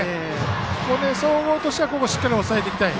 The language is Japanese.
彦根総合としてはここはしっかり抑えていきたい。